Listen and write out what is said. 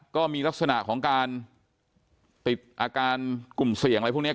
ก็มีลักษณะของการติดอาการกลุ่มเสี่ยงอะไรพวกนี้